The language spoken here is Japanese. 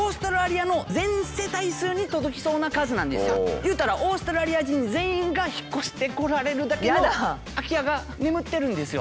言うたらオーストラリア人全員が引っ越してこられるだけの空き家が眠ってるんですよ。